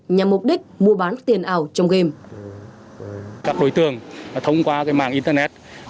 nhằm mục đích mua bán tiền ảo trong game